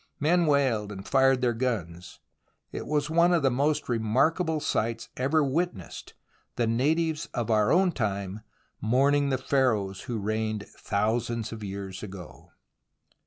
Men wailed and fired their guns. It was one of the most remarkable sights ever witnessed, the natives of our own time mourning the Pharaohs who reigned thousands of years ago.